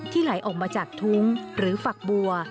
ไหลออกมาจากทุ้งหรือฝักบัว